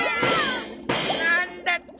なんだっちゃ！